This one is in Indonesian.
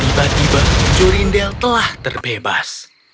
tiba tiba jurindel telah terbebas